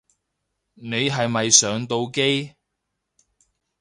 你係咪上到機